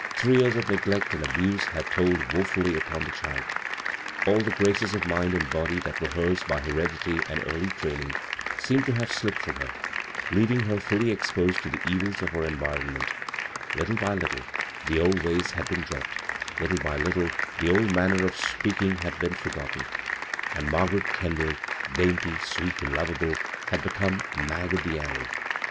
Three years of neglect and abuse had told woefully upon the child. All the graces of mind and body that were hers by heredity and early training seemed to have slipped from her, leaving her fully exposed to the evils of her environment Little by little the old ways had been dropped, litde by lit tle the old manner of speaking had been for gotten ; and Margaret Kendall, dainty, sweet and lovable, had become " Mag of the Alley."